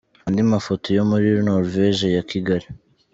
Andi mafoto yo muri Norvege ya Kigali .